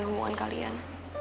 ngerestuin hubungan kalian